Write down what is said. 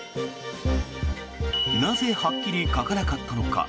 なぜはっきり書かなかったのか。